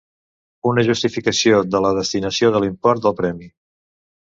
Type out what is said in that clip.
Una justificació de la destinació de l'import del premi.